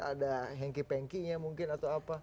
ada hengkih pengkihnya mungkin atau apa